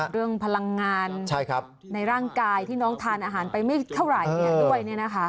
พลังงานในร่างกายที่น้องทานอาหารไปไม่เท่าไหร่ด้วย